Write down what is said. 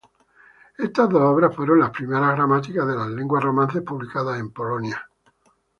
Estas dos obras fueron las primeras gramáticas de las lenguas romances publicadas en Polonia.